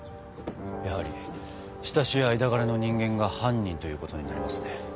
やはり親しい間柄の人間が犯人ということになりますね。